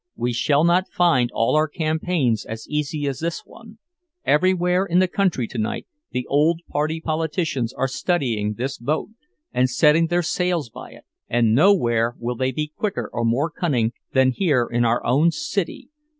We shall not find all our campaigns as easy as this one. Everywhere in the country tonight the old party politicians are studying this vote, and setting their sails by it; and nowhere will they be quicker or more cunning than here in our own city.